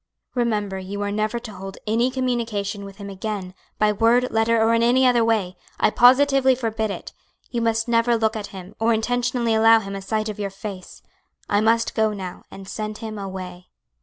Remember you are never to hold any communication with him again by word, letter, or in any other way; I positively forbid it; you must never look at him, or intentionally allow him a sight of your face. I must go now, and send him away."